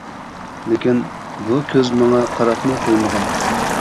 لېكىن، بۇ كۆز ماڭا قاراپمۇ قويمىغان!